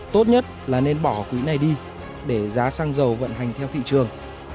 tốt nhất là nên bỏ quỹ này đi để giá xăng dầu vận hành theo thị trường